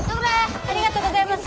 ありがとうございます。